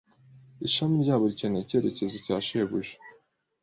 Ishami ryabo rikeneye icyerekezo cya shebuja.